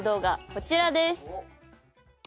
こちらです！